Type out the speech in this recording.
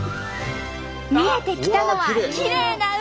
見えてきたのはきれいな海！